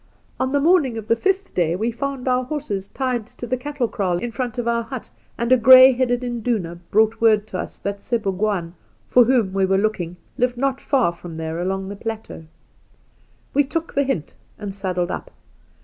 On the morning of the fifth dd,y we found our horses tied to the cattle kraal in front of our hut, and a gray headed induna brought word to us that Sebougwaan, for whom we were looking, lived not far from there along the plateau. We took the hint, and saddled up.